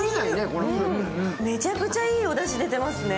めちゃくちゃいいおだし出てますね。